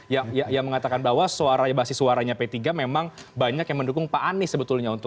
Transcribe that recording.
yang mengatakan bahwa suara basi suaranya p tiga memang banyak yang mendukung pak anies sebetulnya untuk dua ribu dua puluh empat